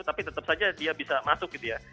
tapi tetap saja dia bisa masuk gitu ya